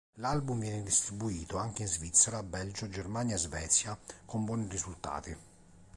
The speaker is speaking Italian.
L'album viene distribuito anche in Svizzera, Belgio, Germania e Svezia con buoni risultati.